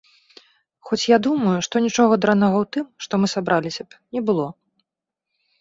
Хоць я думаю, што нічога дрэннага ў тым, што мы сабраліся б, не было.